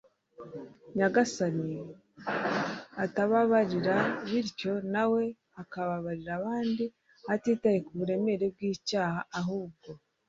nyagasani atababarira, bityo nawe akababarira abandi atitaye ku buremere bw'icyaha, ahubwo